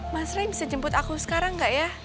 mas ray bisa jemput aku sekarang gak ya